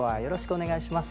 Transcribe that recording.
お願いします。